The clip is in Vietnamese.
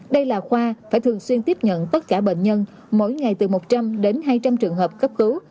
đây là khoa phải thường xuyên tiếp nhận tất cả bệnh nhân mỗi ngày từ một trăm linh đến hai trăm linh trường hợp cấp cứu